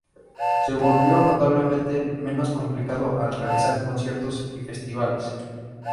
Se volvió notablemente menos complicado el realizar conciertos y festivales.